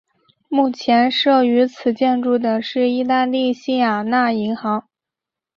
目前设于此建筑的是意大利西雅那银行。